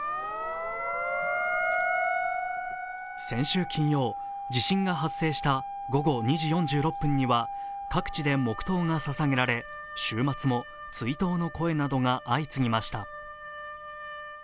先週金曜、地震が発生した午後２時４６分には各地で黙とうがささげられ、週末も追悼の声などが相次ぎました。